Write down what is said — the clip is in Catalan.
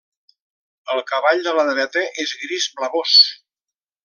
El cavall de la dreta és gris blavós.